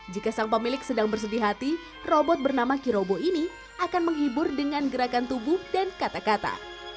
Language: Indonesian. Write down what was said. jika sang pemilik sedang bersedih hati robot bernama kirobo ini akan menghibur dengan gerakan tubuh dan kata kata